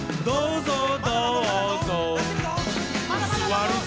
どうぞ！